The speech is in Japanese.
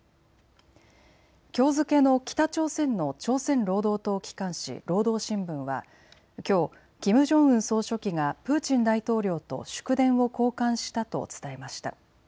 きょう付けの北朝鮮の朝鮮労働党機関紙、労働新聞はきょうキム・ジョンウン総書記がプーチン大統領と祝電を交換したと伝えました。